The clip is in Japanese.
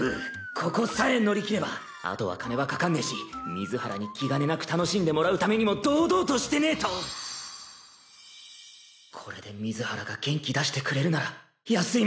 ここさえ乗り切ればあとは金はかかんねぇし水原に気兼ねなく楽しんでもらうためにもこれで水原が元気出してくれるならはい。